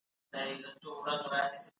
هغوی د سابو په خوړلو بوخت دي.